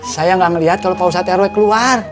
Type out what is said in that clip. saya gak ngeliat kalo pausat rw keluar